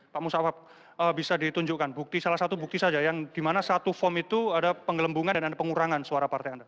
pak musawab bisa ditunjukkan bukti salah satu bukti saja yang dimana satu form itu ada penggelembungan dan ada pengurangan suara partai anda